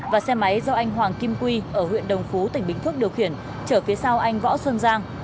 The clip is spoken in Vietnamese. và xe máy do anh hoàng kim quy ở huyện đồng phú tỉnh bình phước điều khiển trở phía sau anh võ xuân giang